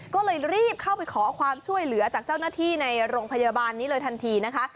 ก็เลยรีบเข้าไปขอความช่วยเหลือจากเจ้าหน้าที่ในโรงพยาบาลนี้เลยทันทีนะคะ